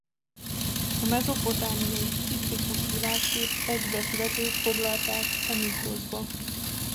A mezopotámiai ciklikus világkép egy vetületét foglalták e mítoszba.